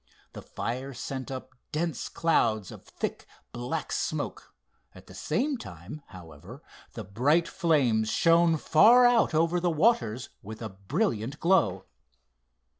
The fire sent up dense clouds of thick, black smoke. At the same time, however, the bright flames shone far out over the waters with a brilliant glow.